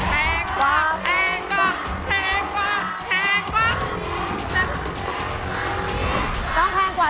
แพงกว่าแพงกว่าต้องแพงกว่า